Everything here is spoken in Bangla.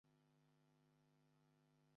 লেফটেন্যান্ট অক্সফোর্ড রিপোর্ট করছি, স্যার।